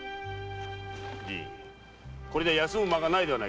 これでは休む間もないぞ。